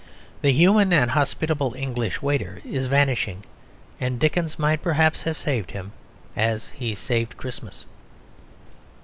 The human and hospitable English waiter is vanishing. And Dickens might perhaps have saved him, as he saved Christmas.